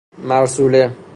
مرسوله